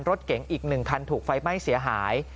รถเก๋งอีก๑คันถูกไฟไหม้เสียหาย